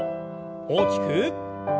大きく。